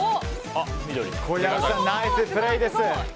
小籔さん、ナイスプレーです。